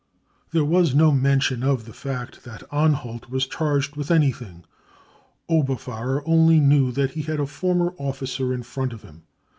There was no mention of the fact that Anhalt was charged with anything ; Oberfahrer ' only knew that he had a former offlcer in front of him.